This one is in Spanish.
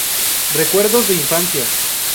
Recuerdos de Infancia.